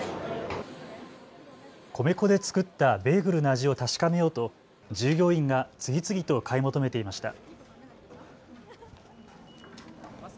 米粉で作ったベーグルの味を確かめようと従業員が次々と買い求めていました。